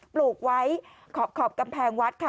ปลูกไว้ขอบกำแพงวัดค่ะ